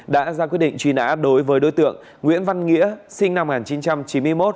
đã ra quyết định truy nã đối với đối tượng nguyễn văn nghĩa sinh năm một nghìn chín trăm chín mươi một